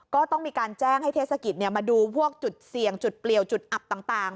ก็ต้องมีการแจ้งให้เทศกิจมาดูพวกจุดเสี่ยงจุดเปลี่ยวจุดอับต่าง